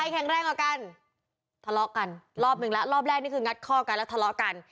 แข็งแรงกว่ากันทะเลาะกันรอบหนึ่งแล้วรอบแรกนี่คืองัดข้อกันแล้วทะเลาะกัน